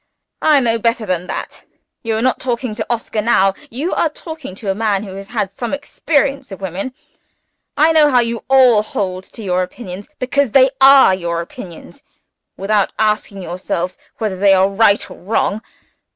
"I know better than that. You are not talking to Oscar now you are talking to a man who has had some experience of women. I know how you all hold to your opinions because they are your opinions without asking yourselves whether they are right or wrong.